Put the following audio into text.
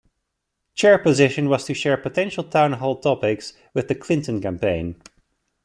Chair position was to share potential town hall topics with the Clinton campaign.